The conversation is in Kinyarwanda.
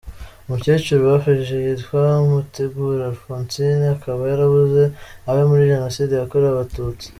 Umukecuru bafashije yitwa Mutegure Alphonsine akaba yarabuze abe muri Jenoside yakorewe abatutsi.